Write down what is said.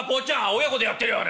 「親子でやってるよあれ」。